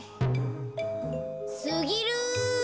すぎる！